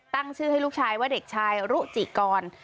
ตั้งชื่อให้ลูกชายว่าเด็กชายรุจิกร